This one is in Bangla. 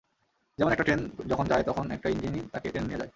যেমন একটা ট্রেন যখন যায়, তখন একটা ইঞ্জিনই তাকে টেনে নিয়ে যায়।